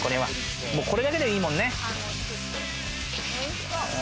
これだけでいいもんね。